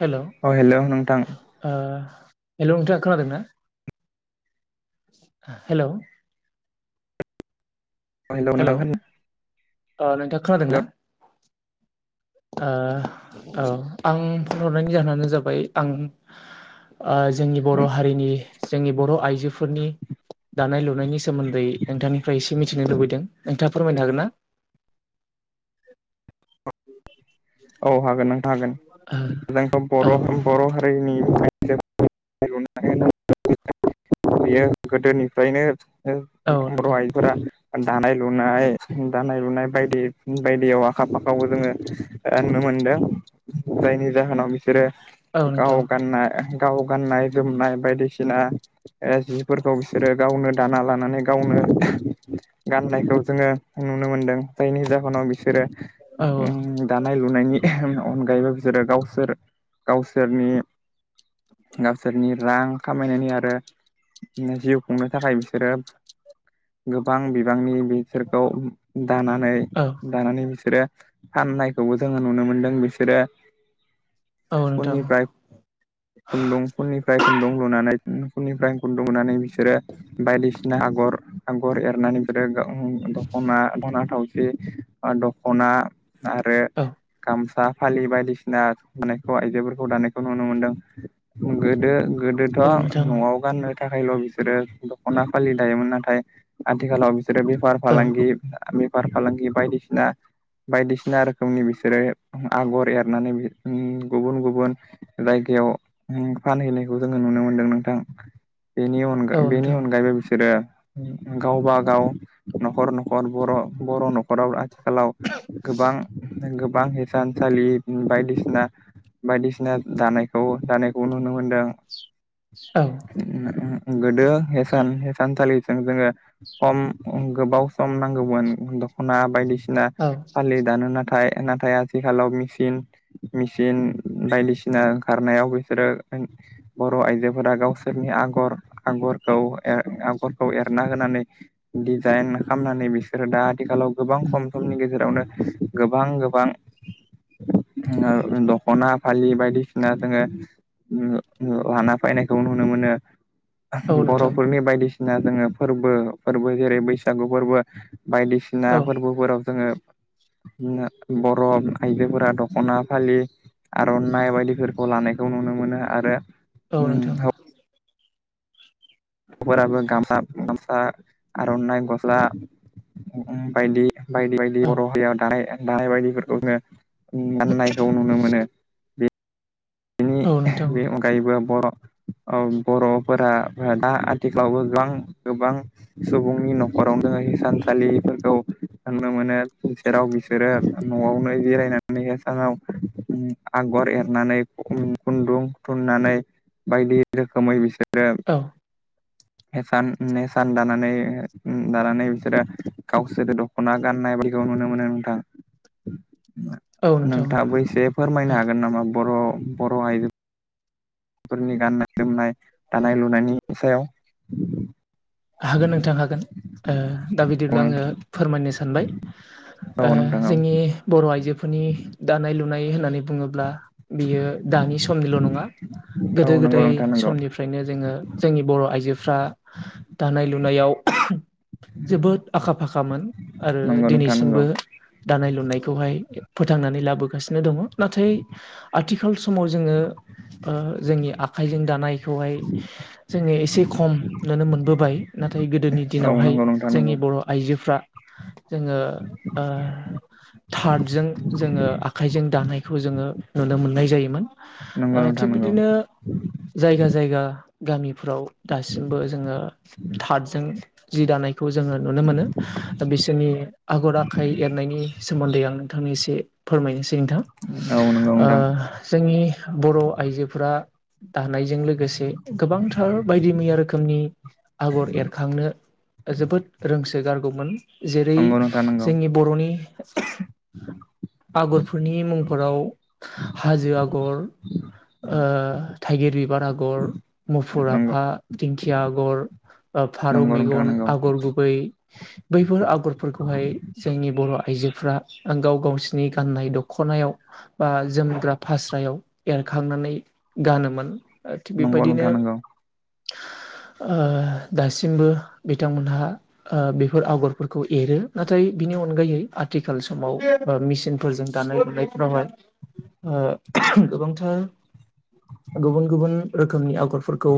हेल' ओ अ हेलौ नोंथां हेलौ नोंथां खोनादोंना? हेलौ अ हेलौ [unintelligible] अ नोंथाङा खोनादों ना? [inaudible] ओ औ आं फन हरनायनि जाहोनानो जाबाय आं ओ जोंनि बर' हारिनि जोंनि बर' आइजोफोरनि दानाय लुनायनि सोमोन्दै नोंथांनिफ्राय एसे मिथिनो लुबैदों नोंथाङा फोरमायनो हागोन ना? औ हागोन नोंथां हागोन जोंथ' बर' बर' हारिनि थाखाय [unintelligible] बेयो गोदोनिफ्रायनो [unintelligible] बर' ना आइफोरा दानाय लुनाय दानाय लुनाय बायदि बायदियाव आखा फाखायावबो जोङो ओ नुनो मोनदों जायनि जाहोनाव बिसोरो गाव गाननाय गाव गाननाय जोमनाय बायदिसिना ओ जिफोरखौ बिसोरो गावनो दाना लानानै गावनो गाननायखौ जोङो नुनो मोनदों जायनि जाहोनाव बिसोरो औ औ उम दानाय लुनायनि अनगायैबो बिसोरो गावसोर गावसोरनि गावसोरनि रां खामायनायनि आरो [unintelligible] जिउ खुंनो थाखाय बिसोरो गोबां बिबांनि बि बिसोरखौ दानानै औ दानानै बिसोरो फाननाय जोङो नुनो मोनदों बिसोरो औ नोंथां खुननिफ्राय खुन्दुं खुननिफ्राय खुन्दुं लुनानै उम उखुनिफ्राय खुन्दुंनानै बिसोरो बायदिसिना आगर आगर एरनानै बिसोरो दख'ना दना थावखि दख'ना आरो थ' गामसा फालि बायदिसिनाखौ आइजोफोरखौ दानायखौ नुनो मोनदों गोदो गोदोथ' नोंथां औ न'आव गाननो थाखायल' बिसोरो दख'ना फालि दायोमोन नाथाय आथिखालाव बि जेर बेफार फालांगि बेफार फालांगि बायदिसिना बायदिसिना आरोख फुंनि बिसोरो आगर एरनानै गुबुन गुबुन जायगायाव फानहैनायखौ जोङो नुनो मोनदों नोंथां बेनि औ बेनि नोंथां अनगायैबो बिसोरो गावबा गाव न'खर न'खर बर' बर' न'खराव आथि आथिखालाव गोबां गोबां थानसालि बायदिसिना बायदिसिना दानायखौ दानायखौ नुनो मोनदों औ गोदोसानसालिजों जोङो खम गोबाव सम नांगौमोन दखना बायदिसिना फालि दानो नाथाय नाथाय आथिखालाव मेचन मेचिन बायदिसिना ओंखारनायाव बिसोरो बर' आइजोफोरा गावसोरनि आगर आगरखौ आगरखौ एरना होनानै डिजाइन खालामनानै बिसोरो दा आथिखालाव गोबां खम समनि गेजेरावनो गोबां गोबां दखना फालि बायदिसिना जोङो लाना फैनायखौ नुनो मोनो औ नोंथां बर'फोरनि बायदिसिना जोङो फोरबो फोरबो जेरै बैसागु फोरबो बायदिसिना औ नोंथां औ फोरबोफोराव जोङो बरफ आइजोफोरा दख'ना फालि आर'नानायइ बायदिफोरखौ लानायखौ नुनो मोनो आरो औ न द नफोराबो गामसा गामसा आर'नाइ गस्ला बायदि बायदि बायदि औ बर' हारियाव दानाय दानाय बायदिफोरखौ जोङो गाननायखौ नुनो मोनो बे बिनि औ नोंथां बे अनगायैबो बर' बर'फोरा दा आथिखालावबो गोबां गोबां सुबुंनि न'खराव द थानसालिफोरखौ थाननो मोनो सेराव बिसोरो न'आवनो बेिररायनानैसानाव गर एरनानै खुन्दुं थुननानै बायदि रोखोमै बिसोरो औ स नेसान दानानै दानानै बिसोरो गावसोर दख'ना गाननाय बायदि खौ नुनो मोनो नोंथां औ नोंथां नोंथाङाबो एसे फोरमायनो हागोन नामा बर' बर' आइजो फोरनि गाननाय जोमनाय दानाय लुनायनि सायाव हागोन नोंथां हागोन दा औ बिदिब्ला आङो नोंथां फोरमायनो सानबाय औ नोंथां औ जोंनि बर' आइजोफोरनि दानाय लुनाय होननानै बुङोब्ला बियो दानि समनिल' नङा। औ गोदो नंगौ गोदाय नोंथां नंगौ समनिफ्रायनो जोङो जोंनि बर' आइजो फ्रा दानाय लुनायाव जोबोद आखा फाखामोन आरो नंगौ नोंथां नंगौ दिनैसिमबो दानाय लुनायखौहाय फोथांनानै लाबोगासिनो दङ नाथाय आथिखाल समाव जोङो ओ जोंनि आखाइजों दानाय बेखौहाय जोङो एसे खम नुनो मोनबोबाय ना नाथाय गोदोनि औ दिनावहाय नंगौ नोंथां जोंनि नंगौ बर' आइजोफ्रा जोङो ओ थादजों जोङो आखाइजों दानायखौ जोङो नुनो मोननाय जायोमोन। ओ नंगौ नोंथां थिग नंगौ बिदिनो जायगा जायगा गामिफ्राव दासिमबो जोङो थादजों जि दानाय खौ जोङो नुनो मोनो दा बिसोरनि आगर आखाइ एरनायनि सोमोन्दै आं नोंथांनि एसे फोरमायनोसै नोंथां औ ओ नंगौ जोंनि बर' आइजोफोरा दानायजों लोगोसे गोबांथार बायदि मैया रोखोमनि आगर जोगारगौमोन जेरै नोंथां नंगौ जोंनि बर'नि [inaudible] आगरफोरनि मुंफोराव हाजो आगर ओ थाइगिर बिबार आगर, मुफुर आफा, दिंखिया आगर फारौ नोंथां मेगन, नंगौ आगर गुबै बैफोर आगरफोरखौहाय जोंनि बर' आइजो फ्रा गाव गावसोरनि गाननाय दख'नायाव बा जोमग्रा फास्रायाव एरखांना नै गानोमोन थिग नंगौ नंगौ बेबायदिनो नोंथां नंगौ नोंथां नंगौ ओ दासिमबो बिथांमोनहा ओ बेफोर आगरफोरखौ एरो नाथाय बिनि अनगायै आथिखाल समाव मेचिनफोरजों दानाय लुनायफ्रावहाय ओ गोबांथार गुबुन गुबुन रोखोमनि आग फोरखौ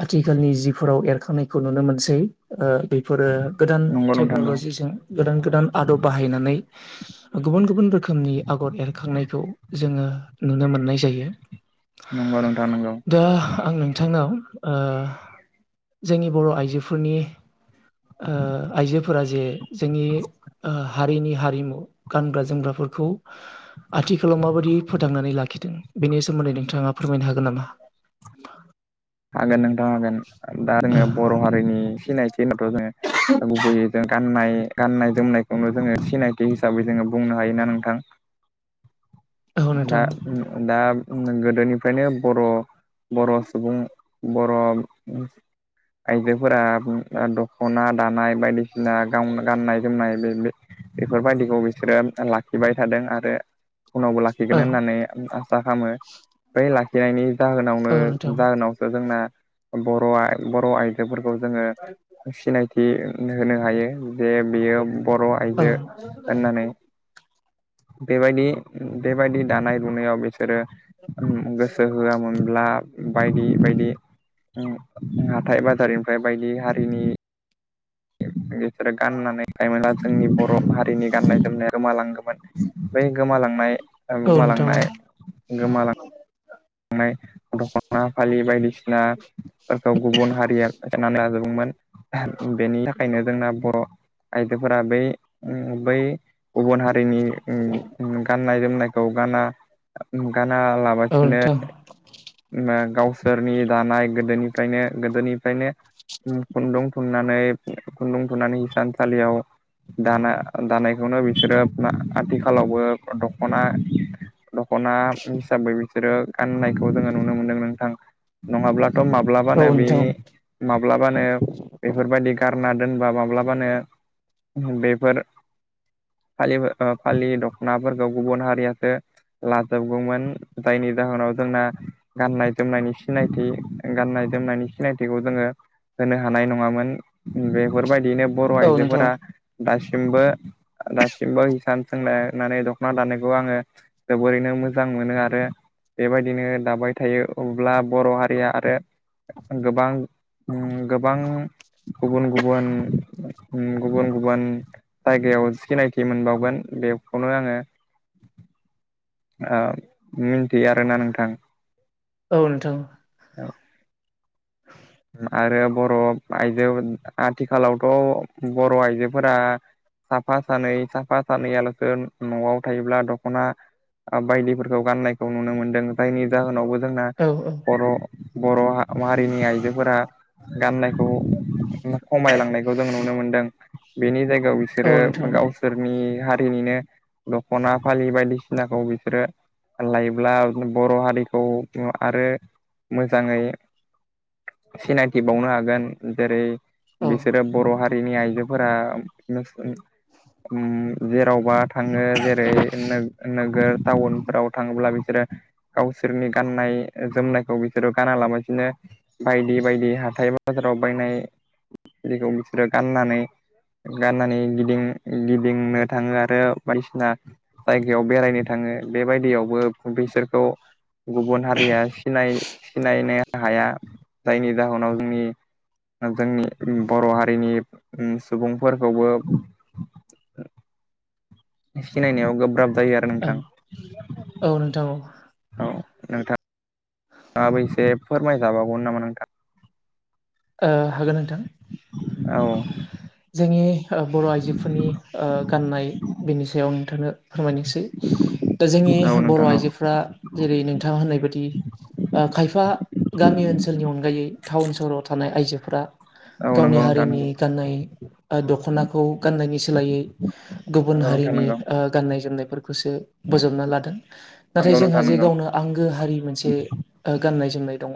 आथिखालनि जिफोराव एरखांनायखौ नुनो मोनसै ओ बेफोरो गोदान नंगौ नोंथां नंगौ टेक्न'ल'जिजों गोदान गोदान आदब बाहायनानै [inaudible] गुबुन गुबुन रोखोमनि आगर एरखांनायखौ जोङो नुनो मोननाय जायो। नंगौ नोंथां नंगौ। दा आं नोंथांनाव ओ जोंनि बर' आइजोफोरनि ओ आइजोफोरा जे जोंनि ओ हारिनि हारिमु गानग्रा जोमग्राफोरखौ [inaudible] आथिखालाव माबादि फोथांनानै लाखिदों बेनि सोमोन्दै नोंथाङा फोरमायनो हागोन नामा। [inaudible] हागोन नों दा हागोन दा जोङो औ बर' हारिनि सिनायथि होनोबाथ' जोङो गुबैयै जों गाननाय गाननाय जोमनायखौनो जोङो सिनायथि हिसाबै जोङो बुंनो हायोना नोंथां। दा नोंथां ओ दा गोदोनिफ्रायनो बर' बर' सुबुं बर' आइजोफोरा दख'ना दानाय बायदिसिना गाननाय जोमनाय बे बे बेफोरबायदिखौ बिसोरो लाखिबाय थादों आरो उनावबो लाखिगोन औ होननानै आं आसा खालामो बै लाखिनायनि जाहोनावनो औ नोंथां जाहोनावसो जोंना बर'बर' आयजोफोरखौ जोङो सिनायथि होनो हायो जे बियो बर' औ आइजो होननानै बेबायदि बेबायदि दानाय लुनायाव बिसोरो गोसो होआमोनब्ला बायदि बायदि हाथाइ बाजारनिफ्राय बायदि हारिनि [unintelligible] बिसोर गाननानै थायामोनबा जोंनि बर' हारिनि गाननाय जोमनाय गोमालांगो मोन बे गोमालांनाय औ नोंथां गोमालांनाय गोमालांनाय [inaudible] दख'ना फालि बायदिसिनाफोरखौ गुबुन हारिया सेनानै लाजोबगोमोन बेनि थाखायनो जोंना बर' आयजोफोरा बै बै गुबुन हा रिनि गाननाय जोमनायखौ गाना गाना औ लाबसिनो नोंथां ओ गावसोरनि दानाय गोदोनिफ्रायनो गोदोनिफ्रायनो खुन्दुं थुननानै खुन्दुं थुननानै हिसानसालियाव दाना दानायखौनो बिसोरो आथिखालावबो दख'ना दखना हिसाबै बिसोरो गाननायखौ जोङो नुनो मोनदों नोंथां नङाब्ला औ माब्लाबानो बे नोंथां माब्लाबानो बेफोरबायदि गारना दोनबा माब्लाबानो बेफोर फालि फालि दख'नाफोरखौ गुबुन हारियासो लाथाब गौमोन दायनि जाहोनाव जोंना गाननाय जोमनायनि सिनायथि गाननाय जोमनायनि सिनायथिखौ जोङो होनो हानाय नङामोन बेफोरबायदिनो बर' औ नोंथां आइजोफोरा दासिमबो दासिमबो हिसान सोंलनानै दख'ना दानायखौ आङो जोबोरैनो मोजां मोनो आरो बेबायदिनो दाबाय थायो अब्ला बर' हारिया आरो गोबां उम गोबां गुबुन गुबुन गुबुन गुबुन जायगायाव सिनायथि मोनबावगोन बेखौनो आङोथि द आरोना नोंथां औ नोंथां औ आरो बर' आइजो आथिखालावथ' बर' आइजोफोरा साफा सानै साफा सानैयालस न'आव थायोब्ला दख'ना बायदिफोरखौ गाननायखौ नुनो मोनदों जायनि जाहोनावबो जोंना औ औ बर' बर' मारिनि आइजो गाननायखौ खमायलांनायखौ जों नुनो मोनदों बेनि जायगायाव बिसोरो औ नोंथां गावसोरनि हारिनिनो दख'ना फालि बायदिसिना सिनाखौ बिसोरो लायोब्ला बर' हारिखौ आरो मोजाङै सिनायथि बावनो हागोन जेरै औ बिसोरो बर' हारि आइजोफोरा उम जेरावबा थाङो जेरै नोगोर टाउनफोराव थाङोब्ला बिसोरो गावसोरनि गाननाय जोमनायखौ बिसोरो गानालाबाया बिनो बायदि बायदि हााइ बाजाराव बायनायखौ बिसोरो गाननानै गाननानै गिदिं गिदिंनो थाङो आरो बायदिसिना जायगायाव बेरायनो थाङो बेबायदियावबो बिसोरखौ गुबुन हारिया सिनाय सिनायनो हाया जायनि जाहोनाव जोंनि जोंनि बर' हारिनि सुबुंफोरखौबो सिनायनायाव गोब्राब जायो आरो औ नोंथां। औ नोंथां औ नोंथाङाबो एसे फोरमायजाबावगौ नामा नोंथाङा ओ हागोन नोंथां औ जोंनि बर' आइजोफोरनि ओ गाननाय बेनि सायाव नोंथांनो फोरमायनोसै दा जोंनि औ नोंथां बर' औ आइजोफ्रा जेरै नोंथाङा होननाय बायदि खायफा गामि ओनसोलनि अनगायै टाउन सोहराव थानाय आइजोफोरा औ गावनि नंगौ नोंथां हारिनि नंगौ गाननाय दख'नाखौ गाननायनि सोलायै गुबुन नंगौ नोंथां नंगौ हारिनि गाननाय जोमनायफोरखौसो बोजबना लादों नाथाय नंगौ जोंहा नोंथां जे नंगौ गावनो आंगो हारि मोनसे गाननाय जोमनाय दङ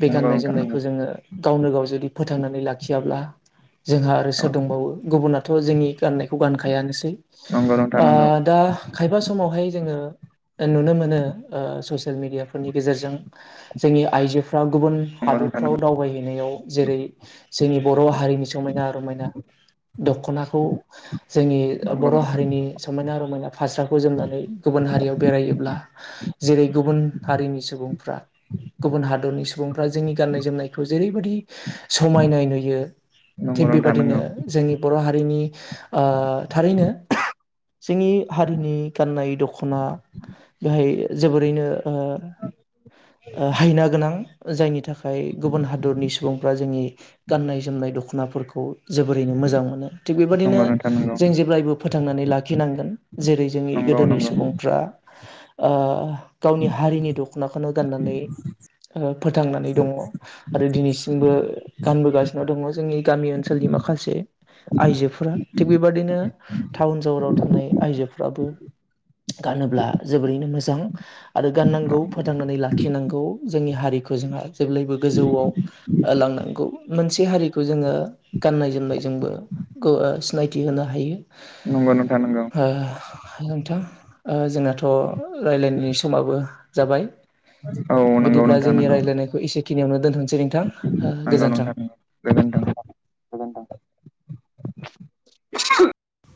बे नंगौ गाननाय नोंथां नंगौ जोमनायखौ जोङो गावनो गाव जुदि फोथांनानै लाखियाब्ला जोंहा आरो औ सोर दंबावो गुबुनाथ' जोंनि गाननायखौ गानखायानोसै नंगौ नोंथां नंगौ दा खायफा समावहाय जोङो नुनो मोनो ससियेल मिेडियाफोरनि गेजेरजों जोंनि आइजोफ्रा गुबुन नंगौ नोंथां हादोरफ्राव दावबायहै गनाय जेरै जोंनि बर' हारिनि समायना रमायना दख'नाखौ जोंनि नंगौ बर' हारिनि समायना रमायना फास्राखौ जोमनानै गुबुन हारियाव बेरायोब्ला जेरै गुबुन हारिनि सुबुंफ्रा गुबुन हादरनि सुबुंफ्रा जोंनि गाननाय जोमनायखौ जओेरैबायदि समायनाय नुयो। नंगौ थिग नोंथां नंगौ नोंथां बेबादिनो नंगौ जोंनि बर' हारिनि ओ थारैनो जोंनि हारिनि गाननाय दख'ना बेहाय जोबोरैनो हायना गोनां जायनि थाखाय गुबुन हादर हादरनि सुबुंफ्रा जोंनि गाननाय जोमनाय दख'नाफोरखौ जोबोरैनो मोजां मोनो थिग बेबायदिनो नंगौ नोंथां नंगौ जों जेब्लायबो फोथांनानै लाखिनांगोन जेरै जोंनि नंगौ गोदोनि नंगौ सुबुंफ्रा [unintelligible] ओ गावनि हारिनि दख'नाखौनो गाननानै फोथांनानै दङ। आरो दिनैसिमबो गानबोगासिनो दङ जोंनि गामि ओनसोलनि माखासे आइजोफोरा थिग बेबादिनो टाउन सहराव थानाय आइजोफोराबो गानोब्ला जोबोरैनो मोजां आरो गाननांगौ फोथांनानै लाखिनांगौ जोंनि हारि हारिखौ जोंहा जेब्लायबो गोजौआव लांनांगौ। मोनसे हारिखौ जोङो गाननाय- जोमनायजोंबो गो- सिनायथि होनो हायो। नंगौ नोंथा नंगौ। ओ नोंथां जोंनाथ' रायज्लायनायनि समाबो जाबाय। औ नंगौ बिदिब्ला नोंथां जोंनि नंगौ रायज्लायनायखौ एसेखिनियावनो दोनथ'नोसै। [unintelligible] नंगौ गोजोन्थों नोंथां नंगौ गोजोनथों गोजोन्थों [unintelligible] [unintelligible]